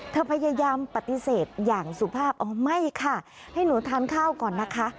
พยายามปฏิเสธอย่างสุภาพอ๋อไม่ค่ะให้หนูทานข้าวก่อนนะคะ